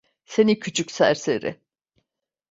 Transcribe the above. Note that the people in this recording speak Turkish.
Seni küçük serseri!